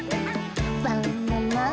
バ・ナ・ナン！